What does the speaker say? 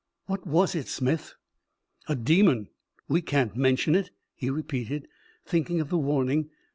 "What was it, Smith?" "A demon. We can't mention it," he repeated, thinking of the warning.